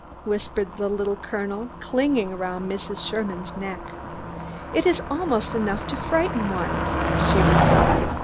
whispered the Little Colonel, clinging around Mrs. Sherman's neck. "It is almost enough to frighten one," she replied.